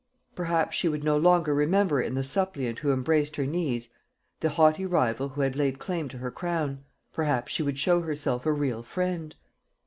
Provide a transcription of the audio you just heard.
Perhaps she would no longer remember in the suppliant who embraced her knees, the haughty rival who had laid claim to her crown; perhaps she would show herself a real friend.